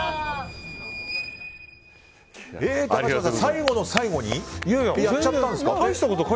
高嶋さん、最後の最後にやっちゃったんですか？